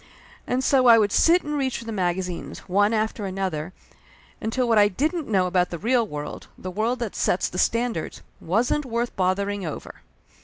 And so I would sit and reach for the magazines, one after another, until what I didn't know about the real world, the world that sets the standards, wasn't worth bothering over.